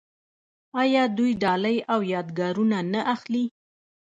آیا دوی ډالۍ او یادګارونه نه اخلي؟